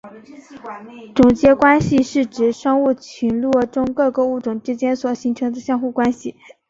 种间关系是指生物群落中各个物种之间所形成相互关系。